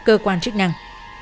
cơ quan chức năng